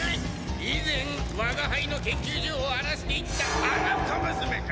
以前我が輩の研究所を荒らしていったあの小娘か！